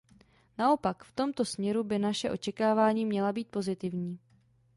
Naopak, v tomto směru by naše očekávání měla být pozitivní.